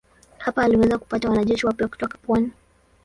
Hapa aliweza kupata wanajeshi wapya kutoka pwani.